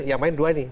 ya main dua nih